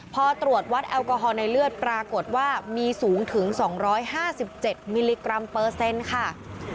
พอตรวจวัดแอลกอฮอลในเลือดปรากฏว่ามีสูงถึง๒๕๗มิลลิกรัมเปอร์เซ็นต์ค่ะ